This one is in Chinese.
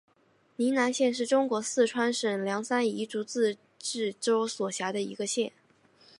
宁南县是中国四川省凉山彝族自治州所辖的一个县。